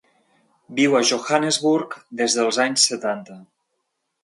Viu a Johannesburg des dels anys setanta.